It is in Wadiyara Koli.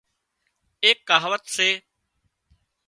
ايڪ ڪهاوت سي